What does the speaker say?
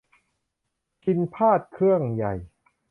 พิณพาทย์เครื่องใหญ่